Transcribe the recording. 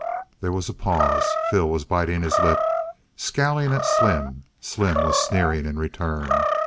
There was a pause. Phil was biting his lip, scowling at Slim. Slim was sneering in return.